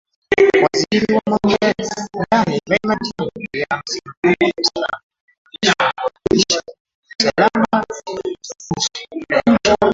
Waziri wa Mambo ya Ndani Fred Matiang’i pia amesema vyombo vya usalama vimeimarishwa kuhakikisha usalama katika uchaguzi na nchi.